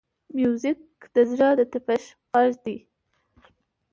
موزیک د زړه د طپش غږ دی.